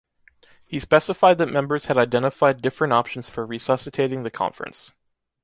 He specified that members had identified different options for resuscitating the Conference.